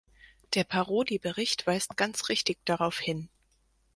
Der Parodi-Bericht weist ganz richtig darauf hin.